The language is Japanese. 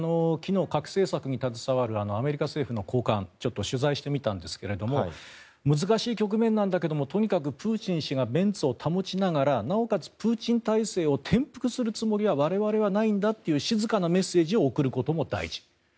昨日、核政策に携わるアメリカ政府の高官をちょっと取材してみたんですが難しい局面なんだけどプーチン氏がなんとかメンツを保ちながらなおかつ、プーチン体制を転覆するつもりは我々はないんだという静かなメッセージを送ることも大事。